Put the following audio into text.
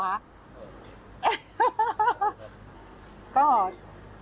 หาเสียง